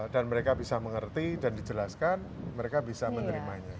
dan mereka bisa mengerti dan dijelaskan mereka bisa menerimanya